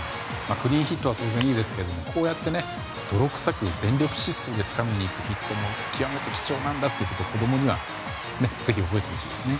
クリーンヒットは当然いいですがこうやって泥臭く全力疾走でつかみに行く人も極めて貴重なんだってことを子供にはぜひ覚えてほしいですね。